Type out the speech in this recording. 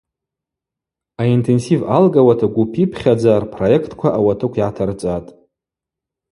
Аинтенсив алгауата гвыпипхьадза рпроектква ауатыкв йгӏатарцӏатӏ.